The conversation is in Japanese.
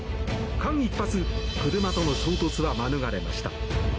間一髪車との衝突は免れました。